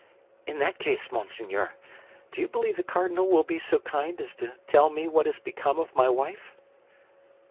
"In that case, monseigneur, do you believe the cardinal will be so kind as to tell me what has become of my wife?"